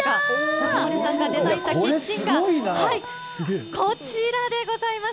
中丸さんがデザインしたキッチンカー、こちらでございます。